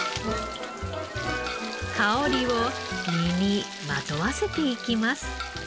香りを身にまとわせていきます。